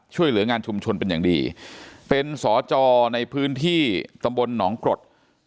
ช่วยเหลืองานชุมชนเป็นอย่างดีเป็นสจในพื้นที่ตำบลหนองกรด